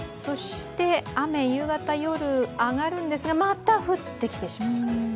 雨、夕方、夜、上がるんですがまた降ってきてしまう。